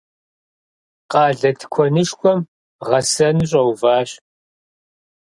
Къалэ тыкуэнышхуэм гъэсэну щӏэуващ.